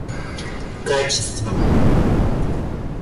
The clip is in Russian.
качество